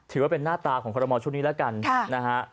ถือว่าเป็นหน้าตาของคุณรมชุดนี้แล้วกันนะฮะ